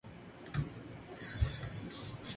Es una planta perenne, rizomatosa, glabra.